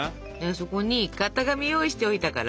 そこに型紙用意しておいたから。